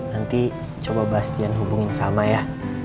nanti coba bastian hubungin sama ya